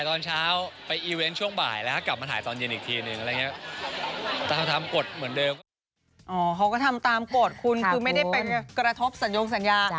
เขาก็ทำตามกฎคุณคือไม่ได้ไปกระทบสัญญงสัญญา